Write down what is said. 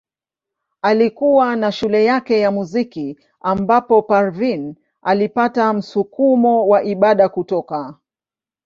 Alikuwa na shule yake ya muziki ambapo Parveen alipata msukumo wa ibada kutoka.